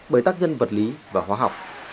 bởi tác nhân vật lý và hóa học